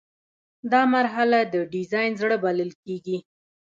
دا مرحله د ډیزاین زړه بلل کیږي.